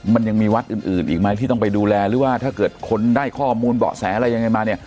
มันยังมีวัดอื่นอีกไหมที่ต้องไปดูแลหรือว่าถ้าเกิดคนได้ข้อมูลเบาะแสอะไรยังไงมาเนี่ย